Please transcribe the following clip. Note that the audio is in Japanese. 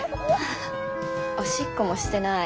おしっこもしてない。